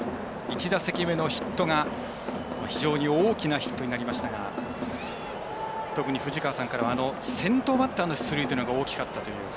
１打席目のヒットが非常に大きなヒットになりましたが特に藤川さんからは先頭バッターの出塁というのが大きかったという。